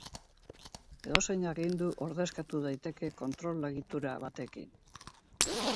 Edozein agindu ordezkatu daiteke kontrol egitura batekin.